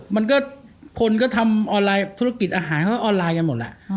มันก็คนก็ทำออนไลน์ธุรกิจอาหารทำออนไลน์แล้วหมดละ